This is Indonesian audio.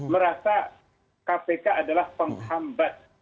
merasa kpk adalah penghambat